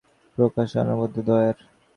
তোমাদের দয়ার জন্য কৃতজ্ঞতা-প্রকাশ অনাবশ্যক।